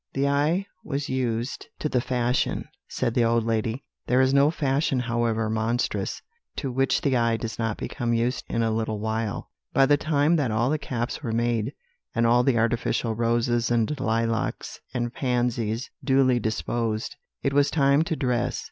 "The eye was used to the fashion," said the old lady; "there is no fashion, however monstrous, to which the eye does not become used in a little while. "By the time that all the caps were made, and all the artificial roses, and lilacs, and pansies duly disposed, it was time to dress.